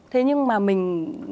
thế nhưng mà mình